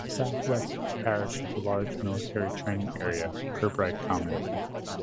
The south-west of the parish has a large military training area, Pirbright Common.